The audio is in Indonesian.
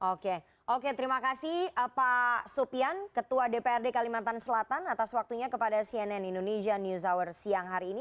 oke oke terima kasih pak supian ketua dprd kalimantan selatan atas waktunya kepada cnn indonesia news hour siang hari ini